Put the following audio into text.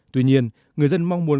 tuy nhiên người dân mong muốn